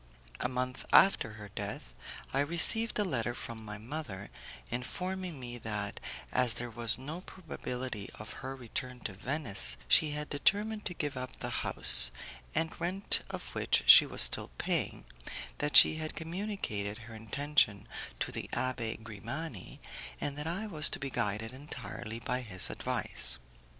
A month after her death, I received a letter from my mother informing me that, as there was no probability of her return to Venice, she had determined to give up the house, the rent of which she was still paying, that she had communicated her intention to the Abbé Grimani, and that I was to be guided entirely by his advice.